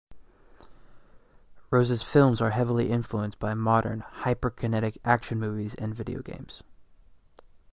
Rose's films are heavily influenced by modern, hyperkinetic action movies and video games.